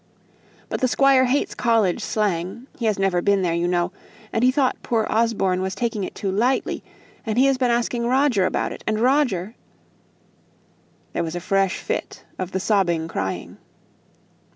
But the squire hates college slang; he has never been there, you know; and he thought poor Osborne was taking it too lightly, and he has been asking Roger about it, and Roger " There was a fresh fit of the sobbing crying.